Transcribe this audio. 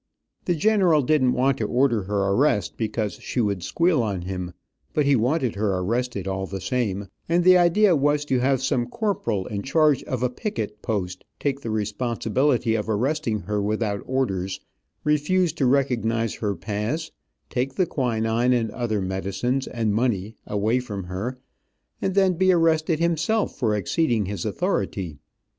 The general didn't want to order her arrest, because she would squeal on him, but he wanted her arrested all the same, and the idea was to have some corporal in charge of a picket post take the responsibility of arresting her without orders, refuse to recognize her pass, take the quinine and other medicines, and money away from her, and then be arrested himself for exceeding his authority.